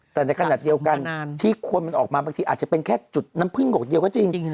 แต่ในขณะเดียวกันที่คนมันออกมาบางทีอาจจะเป็นแค่จุดน้ำพึ่งหกเดียวก็จริง